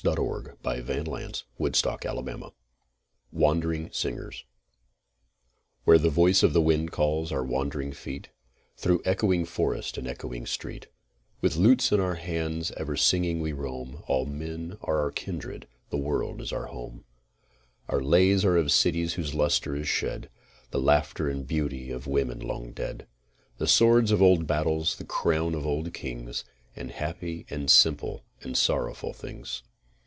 WANDERING SINGERS (Written to one of their Tunes) Where the voice of the wind calls our wandering feet, Through echoing forest and echoing street, With lutes in our hands ever singing we roam, All men are our kindred, the world is our home. Our lays are of cities whose lustre is shed, The laughter and beauty of women long dead; The sword of old battles, the crown of old kings, And happy and simple and sorrowful things.